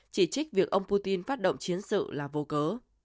chỉ trích việc ông putin phát động chiến sự là vô cớ